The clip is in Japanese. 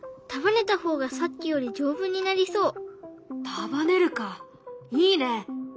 束ねるかいいね。